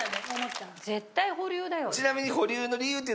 絶対保留だよ。